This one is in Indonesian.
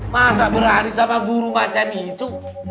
masa berlari sama guru macam itu